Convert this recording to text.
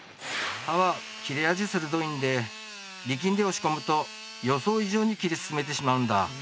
刃は切れ味、鋭いんで力んで押し込むと予想以上に切り進めてしまうんだ。